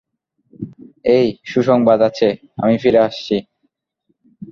এই, সুসংবাদ আছে, আমি ফিরে আসছি।